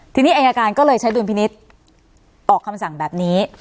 ทีนี้อายการก็เลยใช้ดุลพินิษฐ์ออกคำสั่งแบบนี้